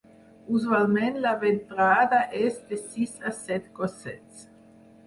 Usualment la ventrada és de sis a set gossets.